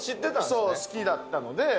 そう好きだったので。